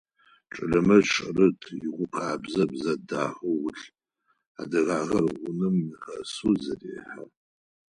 Чэлэмэт шъырыт, ыгу къабзэ, бзэ дахэ ӏулъ, адыгагъэр гъунэм нигъэсэу зэрехьэ.